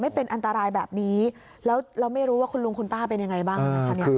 เป็นอันตรายแบบนี้แล้วเราไม่รู้ว่าคุณลุงคุณป้าเป็นยังไงบ้างนะคะ